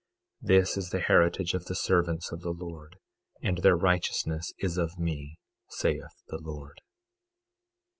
This is the heritage of the servants of the Lord, and their righteousness is of me, saith the Lord.